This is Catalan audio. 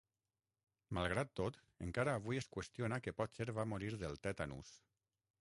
Malgrat tot, encara avui es qüestiona que potser va morir del tètanus.